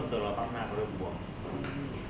มันประกอบกันแต่ว่าอย่างนี้แห่งที่